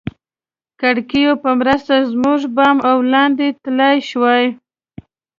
کړکیو په مرسته موږ بام او لاندې تلای شوای.